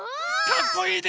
かっこいい！